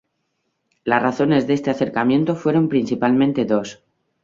Las razones de este acercamiento fueron principalmente dos.